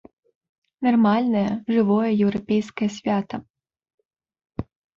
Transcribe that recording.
Нармальнае, жывое еўрапейскае свята.